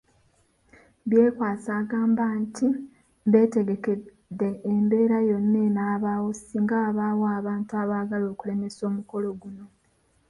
Byekwaso agamba nti beetegekedde embeera yonna eneebaawo singa wabaayo abantu abaagala okulemesa omukolo guno.